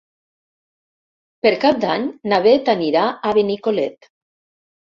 Per Cap d'Any na Bet anirà a Benicolet.